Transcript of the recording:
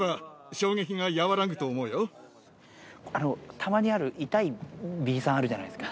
たまにある痛いビーサンあるじゃないですか